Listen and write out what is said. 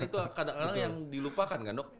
itu kadang kadang yang dilupakan kan dok